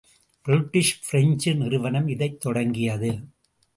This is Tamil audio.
பிரிட்டிஷ் பிரெஞ்சு நிறுவனம் இதைத் தொடங்கியது.